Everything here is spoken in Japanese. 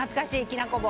きなこ棒。